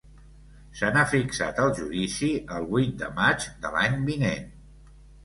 Se n’ha fixat el judici el vuit de maig de l’any vinent.